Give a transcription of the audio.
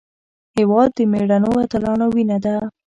هېواد د مېړنیو اتلانو وینه ده.